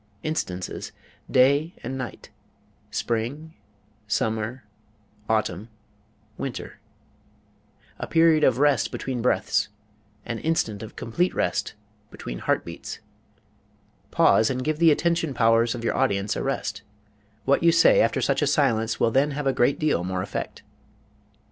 Instances: day and night; spring summer autumn winter; a period of rest between breaths; an instant of complete rest between heart beats. Pause, and give the attention powers of your audience a rest. What you say after such a silence will then have a great deal more effect.